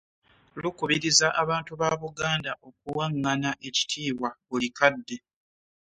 Lukubiriza abantu ba Buganda okuwangana ekitiibwa buli kadde.